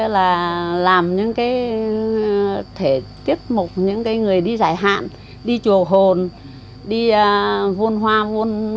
là làm những thể tiết mục những người đi giải hạn đi chùa hồn đi vôn hoa vôn trẻ em